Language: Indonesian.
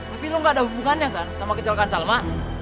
tapi lu gak ada hubungannya kan sama kecelakaan salma